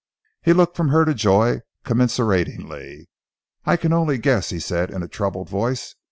He looked from her to Joy commiseratingly. "I can only guess," he said in a troubled voice.